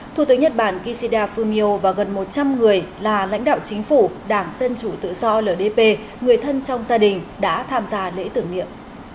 thủ tướng nhật bản kishida fumio và gần một trăm linh người là lãnh đạo chính phủ đảng dân chủ tự do ldp người thân trong gia đình đã tham gia lễ tưởng niệm